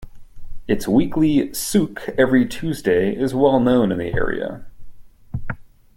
Its weekly souk every Tuesday is well known in the area.